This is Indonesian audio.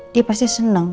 dia pasti seneng